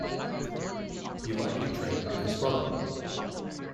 He likely trained with his brother.